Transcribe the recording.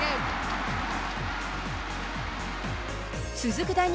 続く第２